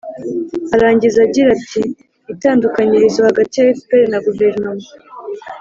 arangiza agira ati: itandukanyirizo hagati ya fpr na guverinoma